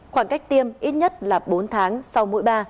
khoảng cách tiêm ít nhất là bốn tháng sau mũi ba